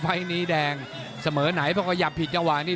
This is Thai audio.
ไฟล์นี้แดงเสมอไหนเพราะขยับผิดจังหวะนี่